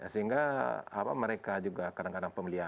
sehingga mereka juga kadang kadang pemelihara